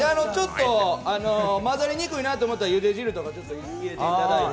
混ざりにくいなと思ったら、ゆで汁とか入れていただいて。